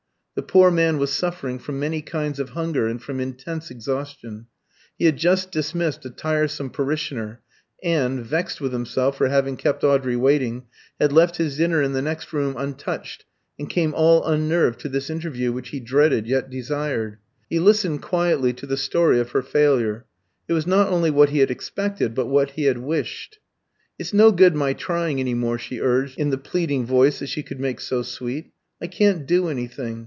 The poor man was suffering from many kinds of hunger, and from intense exhaustion. He had just dismissed a tiresome parishioner, and, vexed with himself for having kept Audrey waiting, had left his dinner in the next room untouched, and came all unnerved to this interview which he dreaded yet desired. He listened quietly to the story of her failure; it was not only what he had expected, but what he had wished. "It's no good my trying any more," she urged in the pleading voice that she could make so sweet. "I can't do anything.